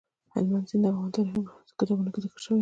هلمند سیند د افغان تاریخ په کتابونو کې ذکر شوی دي.